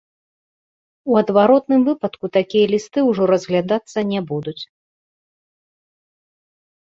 У адваротным выпадку такія лісты ужо разглядацца не будуць.